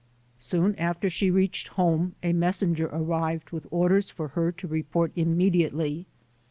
Soon after she reached home, a messenger ar rived with orders for her to report immediately.